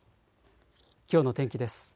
きょうの天気です。